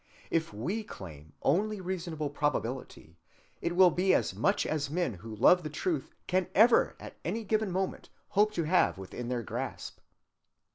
If we claim only reasonable probability, it will be as much as men who love the truth can ever at any given moment hope to have within their grasp.